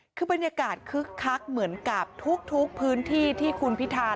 คือบรรยากาศคึกคักเหมือนกับทุกพื้นที่ที่คุณพิธา